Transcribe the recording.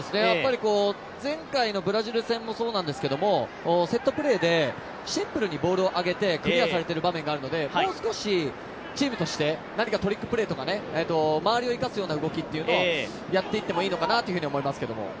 前回のブラジル戦もそうなんですけどセットプレーでシンプルにボールを上げてクリアされている場面があるのでもう少し、チームとして何かトリックプレーとか周りを生かすような動きというのはやっていってもいいのかなと思いますけど。